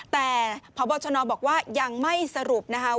แต่พบชนบอกว่ายังไม่สรุปนะคะ